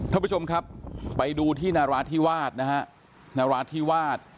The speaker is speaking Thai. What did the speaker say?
ท่านผู้ชมครับไปดูที่นราธิวาสนะฮะนราธิวาส